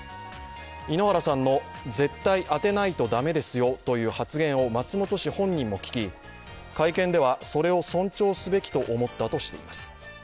井ノ原さんの絶対当てないとだめですよという発言を松本氏本人も聞き、会見ではそれを尊重すべきと思ったとしています。